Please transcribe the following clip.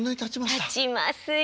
たちますよ。